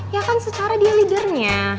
ya kan setara dia leadernya